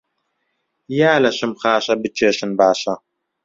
یا لەشم خاشە بکێشن باشە